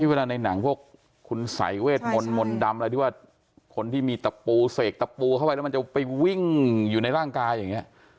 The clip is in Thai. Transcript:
เวลาในหนังพวกคุณสายเวทมนต์มนต์ดำอะไรที่ว่าคนที่มีตะปูเสกตะปูเข้าไปแล้วมันจะไปวิ่งอยู่ในร่างกายอย่างนี้